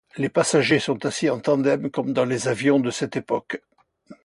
Les passagers sont assis en tandem comme dans les avions de cette époque.